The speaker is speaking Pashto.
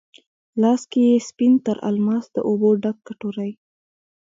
لاس کې یې سپین تر الماس، د اوبو ډک کټوری،